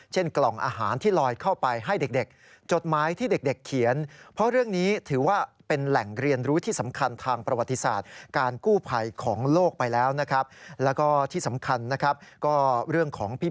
เช่นกล่องอาหารที่ลอยเข้าไปให้เด็กจดหมายที่เด็กเขียน